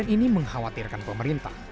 trend ini mengkhawatirkan pemerintah